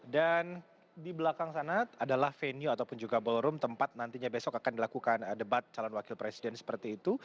dan di belakang sana adalah venue ataupun juga ballroom tempat nantinya besok akan dilakukan debat calon wakil presiden seperti itu